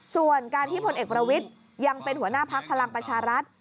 ส่วนการที่พลเอกประวิทย์ยังเป็นหัวหน้าพักพลังประชารัฐ